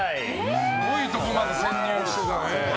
すごいとこまで潜入してたね。